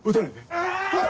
あっ！